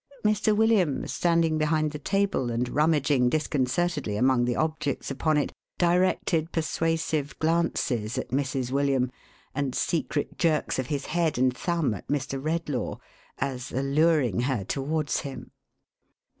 Mr. William, standing behind the tajble, and rummaging disconcertedly among the objects upon it, directed persuasive glances at Mrs. William, and secret jerks of his head and thumb at Mr. Redlaw, as alluring her towards him.